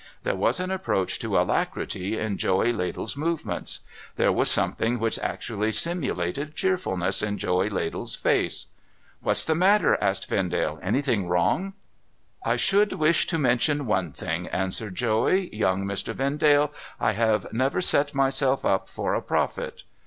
There was an approach to alacrity in Joey Ladle's movements ! There was something which actually simulated cheerfulness in Joey Ladle's face !' What's the matter ?' asked Vendale. ' Anything wrong ?'' 1 should wish to mention one thing,' answered Joey. ' Young Mr. Vendale, I have never set myself up for a prophet.'